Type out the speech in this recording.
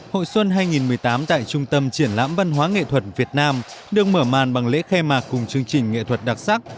hội xuân hai nghìn một mươi tám tại trung tâm triển lãm văn hóa nghệ thuật việt nam được mở màn bằng lễ khai mạc cùng chương trình nghệ thuật đặc sắc